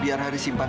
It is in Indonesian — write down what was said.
dia km ada sopasku